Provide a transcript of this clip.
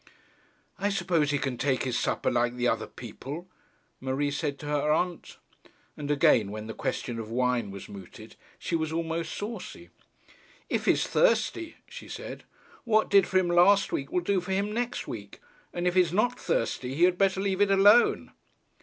'I suppose he can take his supper like the other people,' Marie said to her aunt. And again, when the question of wine was mooted, she was almost saucy. 'If he's thirsty,' she said, 'what did for him last week, will do for him next week: and if he's not thirsty, he had better leave it alone.'